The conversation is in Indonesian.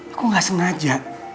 aku gak sengaja